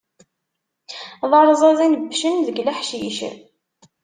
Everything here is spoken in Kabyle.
D arẓaz inebbcen deg leḥcic.